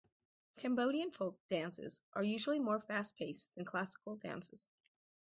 Cambodian folk dances are usually more fast-paced than classical dances.